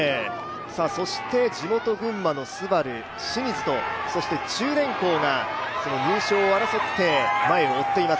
そして地元・群馬のＳＵＢＡＲＵ・清水とそして中電工が入賞を争って前を追っています。